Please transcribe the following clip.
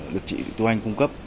được chị tu anh cung cấp